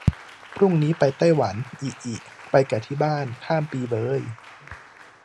พรุ่งนี้ไปไต้หวัน อิอิ ไปกะที่บ้าน ข้ามปีเบย